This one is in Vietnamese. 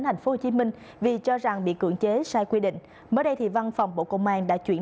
thành phố hồ chí minh vì cho rằng bị cưỡng chế sai quy định mới đây văn phòng bộ công an đã chuyển